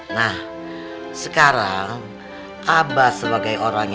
nah sekarang abah sebagai orangnya